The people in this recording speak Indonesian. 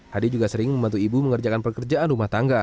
hadi juga sering membantu ibu mengerjakan pekerjaan rumah tangga